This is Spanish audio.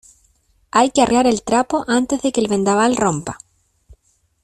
hay que arriar el trapo antes de que el vendaval rompa